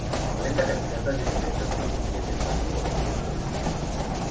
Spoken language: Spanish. Cuarenta candidatas de diversas provincias del país compitieron por el título.